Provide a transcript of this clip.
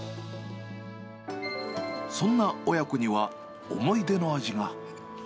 そんな親子には、思い出の味が。